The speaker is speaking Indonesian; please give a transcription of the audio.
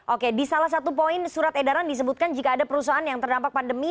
oke di salah satu poin surat edaran disebutkan jika ada perusahaan yang terdampak pandemi